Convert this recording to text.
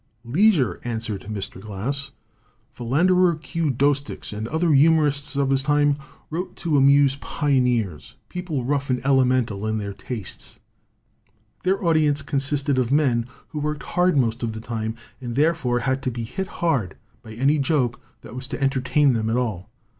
"Leisure," answered Mr. Glass. "Philander Q. Doesticks and other humorists of his time wrote to amuse pioneers, people rough and ele mental in their tastes. Their audience consisted of men who worked hard most of the time, and therefore had to be hit hard by any joke that was to entertain them at all.